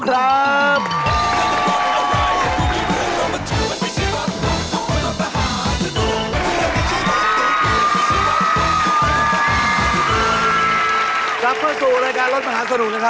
เลข๒ค่ะเลข๒